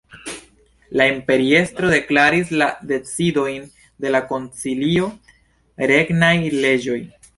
La imperiestro deklaris la decidojn de la koncilio regnaj leĝoj.